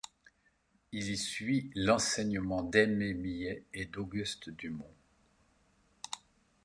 Il y suit l'enseignement d'Aimé Millet et d'Auguste Dumont.